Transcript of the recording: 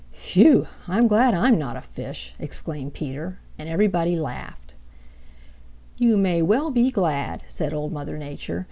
"Phew, I'm glad I'm not a fish!" exclaimed Peter and everybody laughed. "You may well be glad," said Old Mother Nature.